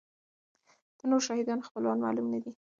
د نورو شهیدانو خپلوان معلوم نه دي.